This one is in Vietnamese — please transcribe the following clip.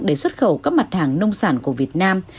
để xuất khẩu các mặt hàng nông sản của việt nam